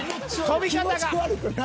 飛び方が。